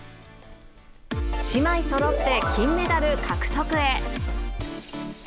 姉妹そろって金メダル獲得へ。